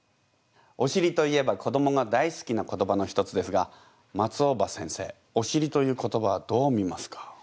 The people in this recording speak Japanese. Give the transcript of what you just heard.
おしりといえば子どもが大好きな言葉の一つですが松尾葉先生おしりという言葉どう見ますか？